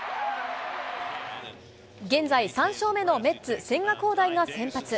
現在３勝目のメッツ、千賀滉大が先発。